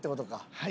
はい。